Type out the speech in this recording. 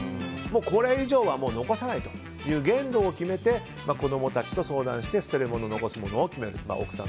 これ以上はもう残さないという限度を決めて子供たちと相談して捨てるもの、残すものを決めると。